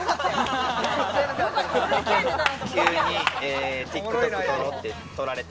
急にＴｉｋＴｏｋ撮ろうって撮られた。